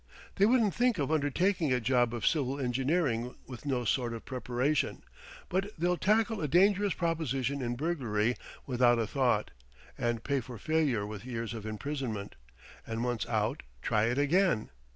They wouldn't think of undertaking a job of civil engineering with no sort of preparation, but they'll tackle a dangerous proposition in burglary without a thought, and pay for failure with years of imprisonment, and once out try it again.